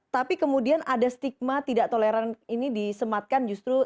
tapi kemudian ada stigma tidak toleran ini disematkan justru